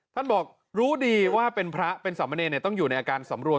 ท่านบอกรู้ดีว่าเป็นพระเป็นสามเณรต้องอยู่ในอาการสำรวม